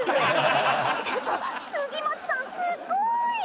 ってか杉松さんすっごーい！